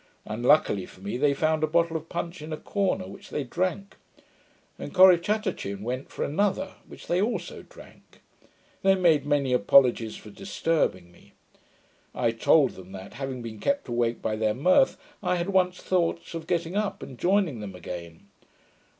Unluckily for me, they found a bottle of punch in a corner, which they drank; and Corrichatachin went for another, which they also drank. They made many apologies for disturbing me. I told them, that, having been kept awake by their mirth, I had once thoughts of getting up, and joining them again.